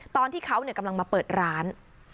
ตอนที่เขากำลังมาเปิดร้าน